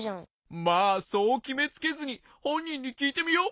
まあそうきめつけずにほんにんにきいてみよう。